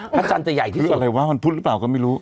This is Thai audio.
พระจันทร์จะใหญ่ที่สุดอะไรวะวันพุธหรือเปล่าก็ไม่รู้